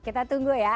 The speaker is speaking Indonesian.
kita tunggu ya